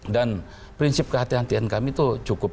dan prinsip kehatian kehatian kami itu cukup